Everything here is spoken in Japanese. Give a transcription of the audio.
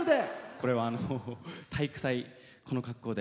これは、体育祭、この格好で。